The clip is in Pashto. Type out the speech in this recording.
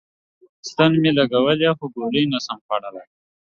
ستن می لګولی خو ګولی نسم خوړلای